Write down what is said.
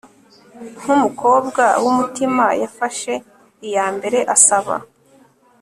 nkumukobwa wumutima yafashe iyambere asaba